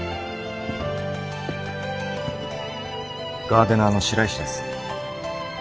ガーデナーの白石です。